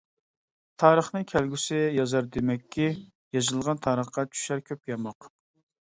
تارىخنى كەلگۈسى يازار دېمەككى، يېزىلغان تارىخقا چۈشەر كۆپ ياماق.